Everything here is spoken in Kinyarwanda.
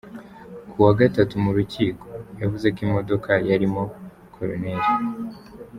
Ku wa Gatatu mu rukiko, yavuze ko imodoka yarimo Col.